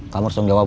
kamu harus menjawab